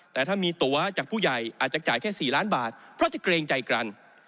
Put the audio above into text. แต่ถ้ามีตัวจากผู้ใหญ่อาจจะจ่ายแค่๔ล้านบาทเพราะจะเกรงใจกัน